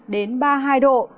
đến ba mươi hai độ